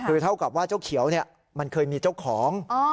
คือเท่ากับว่าเจ้าเขียวมันเคยมีเจ้าของ